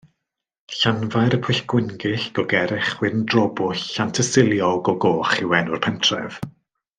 Llanfairpwllgwyngyllgogerychwyrndrobwllllantysiliogogogoch yw enw'r pentref.